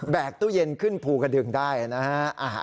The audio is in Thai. ตู้เย็นขึ้นภูกระดึงได้นะฮะ